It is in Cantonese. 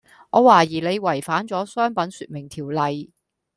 我懷疑你違反咗商品説明條例